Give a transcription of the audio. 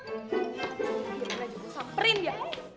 ya udah jangan samperin dia